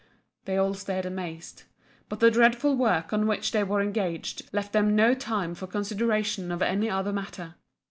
They all stared amazed but the dreadful work on which they were engaged left them no time for consideration of any other matter.